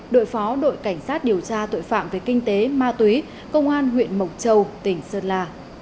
đội phó đội cảnh sát điều tra tội phạm về kinh tế ma túy công an huyện mộc châu tỉnh sơn la